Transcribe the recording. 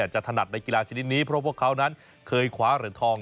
ถนัดในกีฬาชนิดนี้เพราะพวกเขานั้นเคยคว้าเหรียญทอง